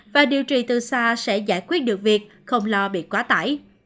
và điều trị từ xa sẽ giải quyết được việc không lo bị quá tải